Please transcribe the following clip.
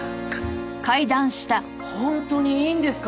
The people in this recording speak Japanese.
本当にいいんですか？